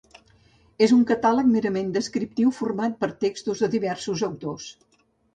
És un catàleg merament descriptiu, format per textos de diversos autors.